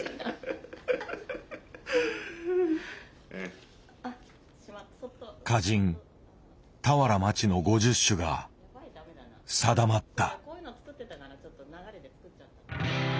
えっ歌人俵万智の５０首が定まった。